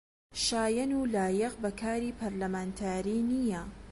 شایەن و لایەق بە کاری پەرلەمانتاری نییە